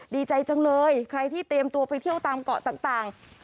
ดีใจจังเลยใครที่เตรียมตัวไปเที่ยวตามเกาะต่าง